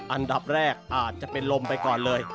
อันดับแรกอาจจะเป็นลมไปก่อนเลย